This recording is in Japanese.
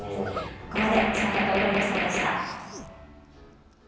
ここまでちかとコレクションでした。